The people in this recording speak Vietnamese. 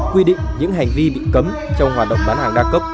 quy định những hành vi bị cấm trong hoạt động bán hàng đa cấp